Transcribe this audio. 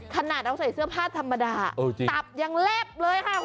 ขนาดเราใส่เสื้อผ้าธรรมดาตับยังแลบเลยค่ะคุณ